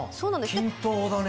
均等だね。